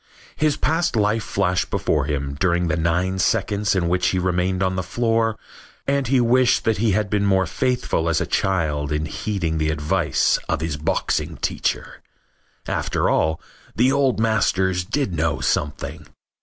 His past life flashed before him during the nine seconds in which he remained on the floor and he wished that he had been more faithful as a child in heeding the advice of his boxing teacher. After all, the old masters did know something.